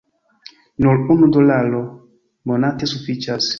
Nur unu dolaro monate sufiĉas